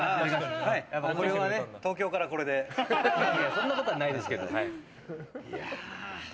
そんなことはないですけど。